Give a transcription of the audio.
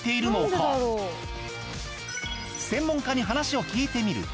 専門家に話を聞いてみると。